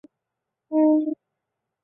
廷贝亨研究所以其名字命名。